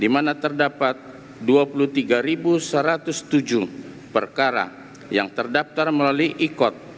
yang mendapat dua puluh tiga satu ratus tujuh perkara yang terdaftar melalui e court